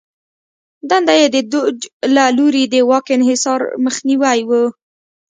دنده یې د دوج له لوري د واک انحصار مخنیوی و